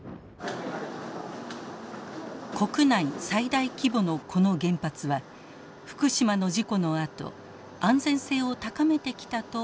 国内最大規模のこの原発は福島の事故のあと安全性を高めてきたとアピールしています。